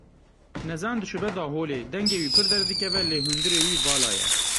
Nezan dişibe daholê, dengê wî pir derdikeve lê hundirê wî vala ye.